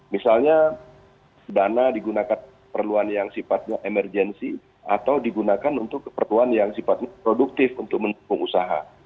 misalnya dana digunakan perluan yang sifatnya emergensi atau digunakan untuk keperluan yang sifatnya produktif untuk mendukung usaha